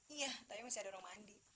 iya tapi masih ada rumah mandi